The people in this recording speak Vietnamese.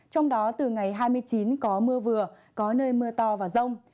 trong đó từ ngày hai mươi chín có mưa vừa có nơi mưa to và rông